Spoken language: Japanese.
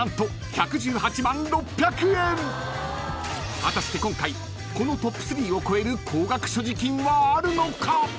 ［果たして今回このトップ３を超える高額所持金はあるのか？］